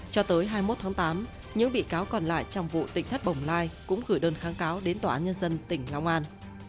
cho tới hai mươi một tháng tám những bị cáo còn lại trong vụ tỉnh thất bồng lai cũng gửi đơn kháng cáo đến tòa án nhân dân tỉnh long an